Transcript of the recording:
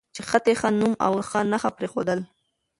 چې حتی ښه نوم او ښه نښه پرېښودل